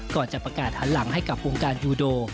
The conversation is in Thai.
ก่อนจะประกาศหันหลังให้กับวงการยูโด